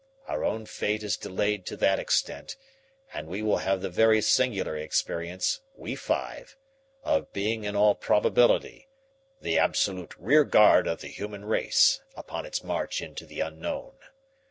Our own fate is delayed to that extent, and we will have the very singular experience, we five, of being, in all probability, the absolute rear guard of the human race upon its march into the unknown.